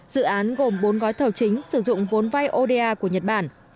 dự án gồm bốn gói thầu chính sử dụng vốn vay oda của nhật bản